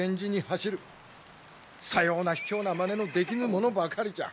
さようなひきょうなまねのできぬ者ばかりじゃ。